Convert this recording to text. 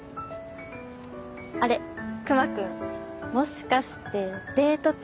あれ熊くんもしかしてデート中？